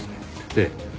ええ。